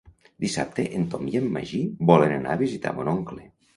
Dissabte en Tom i en Magí volen anar a visitar mon oncle.